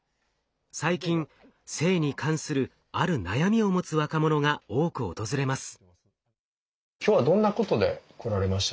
最近性に関するある悩みを持つ若者が多く訪れます。